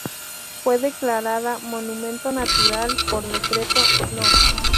Fue declarada Monumento Natural por Decreto No.